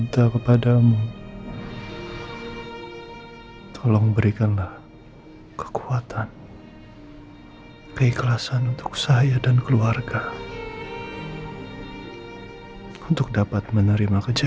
sampai jumpa di video selanjutnya